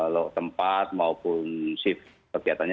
lo tempat maupun shift kegiatannya